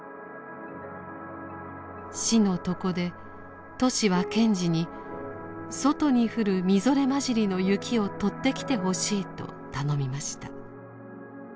死の床でトシは賢治に外に降るみぞれまじりの雪を取ってきてほしいと頼みました。